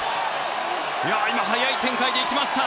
今、速い展開で行きました。